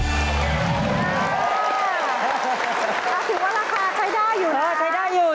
ถ้าถือว่าราคาใช้ได้อยู่นะครับ